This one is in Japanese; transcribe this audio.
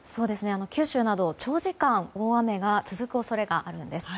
九州など長時間、大雨が続く恐れがあるんです。